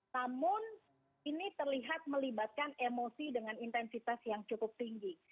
namun ini terlihat melibatkan emosi dengan intensitas yang cukup tinggi